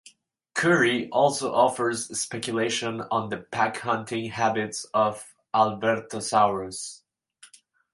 Currie also offers speculation on the pack-hunting habits of "Albertosaurus".